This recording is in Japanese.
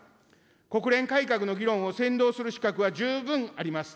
国連改革の議論を先導する資格は十分あります。